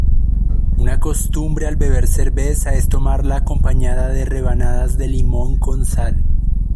Una costumbre al beber cerveza es tomarla acompañada de rebanadas de limón con sal.